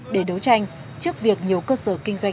để đấu tranh trước việc nhiều cơ sở kinh doanh